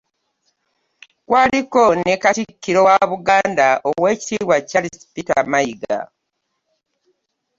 Kwaliko ne katikkiro wa Buganda oweekitiibwa Charles Peter Mayiga.